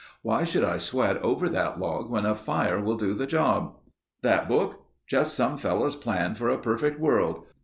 Why should I sweat over that log when a fire will do the job?... That book? Just some fellow's plan for a perfect world.